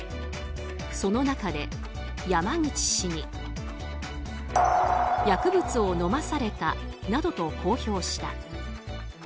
その中で山口氏に薬物を飲まされたなどと公表した。